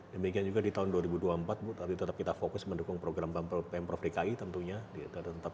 demikian juga di tahun dua ribu dua puluh empat tapi tetap kita fokus mendukung program pemprov dki tentunya